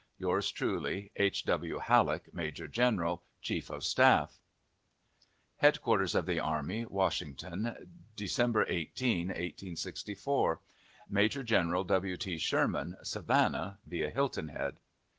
Yours truly, H. W. HALLECK, Major General, Chief of Staff. HEADQUARTERS OF THE ARMY WASHINGTON, December 18, 1864. Major General W. T. SHERMAN, Savannah (via Hilton Head).